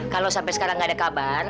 kalau sampai sekarang nggak ada kabar